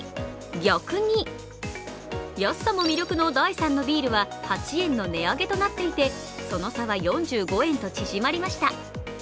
逆に安さも魅力の第３のビールは８円の値上げとなっていてその差は４５円と縮まりました。